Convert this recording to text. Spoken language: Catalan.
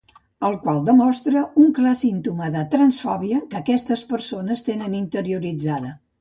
El qual demostra un clar símptoma de transfòbia que aquestes persones tenen interioritzada.